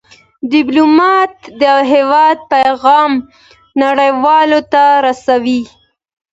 ډيپلومات د هېواد پېغام نړیوالو ته رسوي.